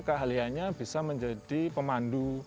keahliannya bisa menjadi pemandu